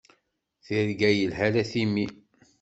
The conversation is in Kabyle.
Tirga yelhan a Timmy.